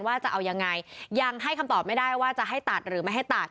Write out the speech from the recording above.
จะเอายังไงยังให้คำตอบไม่ได้ว่าจะให้ตัดหรือไม่ให้ตัด